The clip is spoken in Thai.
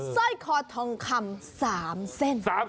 สร้อยคอทองคำ๓เส้น